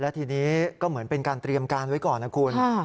ทีนี้ก็เหมือนเป็นการเตรียมการไว้ก่อนนะคุณ